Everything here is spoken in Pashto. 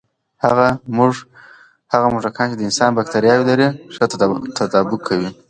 هغه موږکان چې د انسان بکتریاوې لري، ښه تطابق کوي.